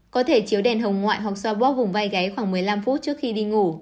có thể chiếu đèn hồng ngoại hoặc xoa bóp hùng vai gáy khoảng một mươi năm phút trước khi đi ngủ